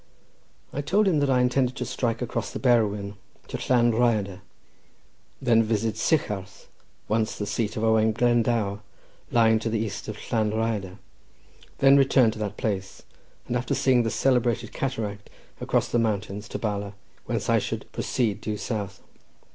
I told him that I intended to strike across the Berwyn to Llan Rhyadr, then visit Sycharth, once the seat of Owen Glendower, lying to the east of Llan Rhyadr, then return to that place, and after seeing the celebrated cataract, cross the mountains to Bala—whence I should proceed due south.